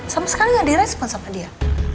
sama sekali nggak direspon sama dia